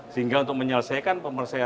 sehingga untuk menyelesaikan